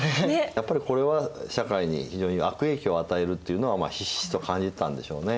やっぱりこれは社会に非常に悪影響を与えるっていうのはひしひしと感じてたんでしょうね。